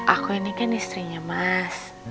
aku ini kan istrinya mas